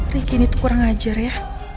riki ini tuh kurang ajar ya